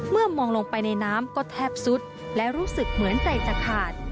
มองลงไปในน้ำก็แทบสุดและรู้สึกเหมือนใจจะขาด